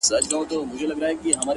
په درد آباد کي- ویر د جانان دی-